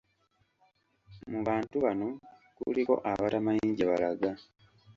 Mu bantu bano kuliko abatamanyi gye balaga.